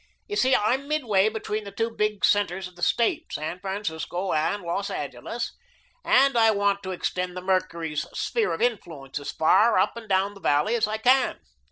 You see, I'm midway between the two big centres of the State, San Francisco and Los Angeles, and I want to extend the 'Mercury's' sphere of influence as far up and down the valley as I can.